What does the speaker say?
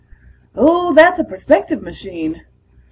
Oh, that's a perspective machine.